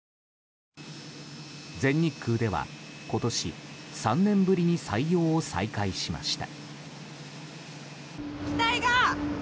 全日空では今年３年ぶりに採用を再開しました。